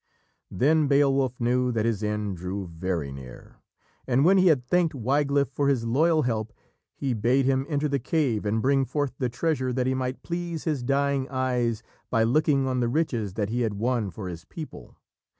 Then Beowulf knew that his end drew very near, and when he had thanked Wiglaf for his loyal help, he bade him enter the cave and bring forth the treasure that he might please his dying eyes by looking on the riches that he had won for his people.